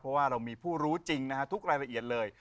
เพราะว่าเรามีผู้รู้จริงนะฮะทุกรายละเอียดเลย